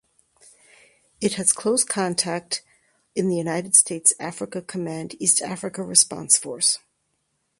It has close contact in the United States Africa Command East Africa Response Force.